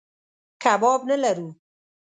کباب نه لرو.